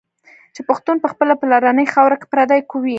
چي پښتون په خپلي پلرنۍ خاوره کي پردی کوي